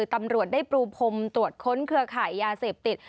ตำรวจได้ปรูพรมตรวจค้นเครือขายยาเสพติด